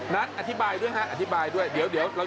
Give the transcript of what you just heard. นัทอธิบายด้วยครับอธิบายด้วยเดี๋ยวเราจะหาวัน